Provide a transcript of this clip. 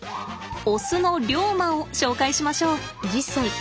オスのリョウマを紹介しましょう。